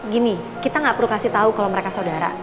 gini kita nggak perlu kasih tahu kalau mereka saudara